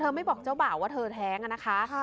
ไม่บอกเจ้าบ่าวว่าเธอแท้งอะนะคะ